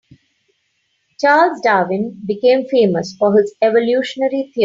Charles Darwin became famous for his evolutionary theory.